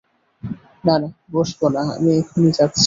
না না, বসব না, আমি এখনই যাচ্ছি।